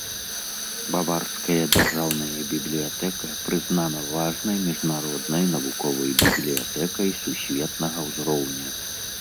Баварская дзяржаўная бібліятэка прызнана важнай міжнароднай навуковай бібліятэкай сусветнага ўзроўня.